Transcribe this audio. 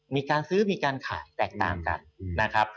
มีการซื้อมีการขายแตกต่างกัน